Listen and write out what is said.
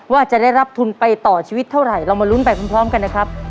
ว่าจะได้รับทุนไปต่อชีวิตเท่าไหร่เรามาลุ้นไปพร้อมกันนะครับ